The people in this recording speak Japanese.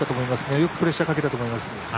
よくプレッシャーかけたと思います。